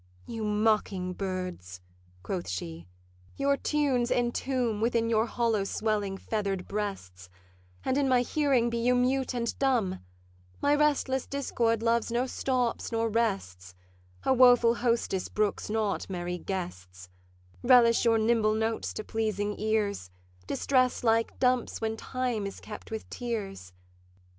'You mocking birds,' quoth she, 'your tunes entomb Within your hollow swelling feather'd breasts, And in my hearing be you mute and dumb: My restless discord loves no stops nor rests; A woeful hostess brooks not merry guests: Relish your nimble notes to pleasing ears; Distress likes dumps when time is kept with tears.